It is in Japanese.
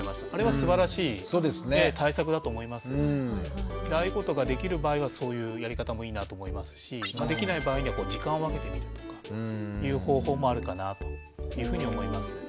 先ほどの例だとああいうことができる場合はそういうやり方もいいなと思いますしできない場合には時間を分けてみるとかっていう方法もあるかなと思います。